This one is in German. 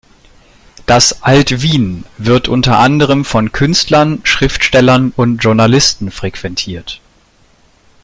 Das "Alt Wien" wird unter anderem von Künstlern, Schriftstellern und Journalisten frequentiert.